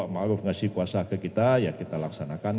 kalau tidak ngasih kuasa ke orang lain ya kita laksanakan